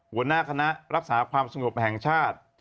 หัวหน้าคณะรักษาความสงบแห่งชาติ